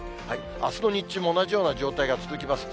あすの日中も同じような状態が続きます。